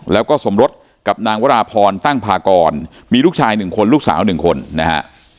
แล้วก็สมรสกับนางวราพรตั้งพากรมีลูกชายหนึ่งคนลูกสาว๑คนนะฮะ